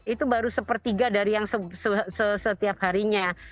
itu baru sepertiga dari yang setiap harinya